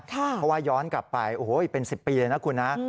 เพราะว่าย้อนกลับไปโอ้โหเป็น๑๐ปีเลยนะคุณนะ